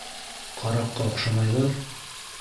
Ҡараҡҡа оҡшамайҙар?